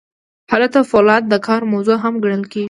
هلته فولاد د کار موضوع هم ګڼل کیږي.